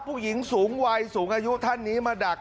ผู้หญิงสูงวัยสูงอายุท่านนี้มาดัก